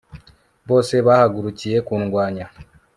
bose bahagurukiye kundwanya